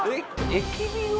駅ビルが。